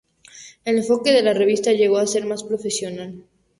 El enfoque de la revista llegó a ser más profesional.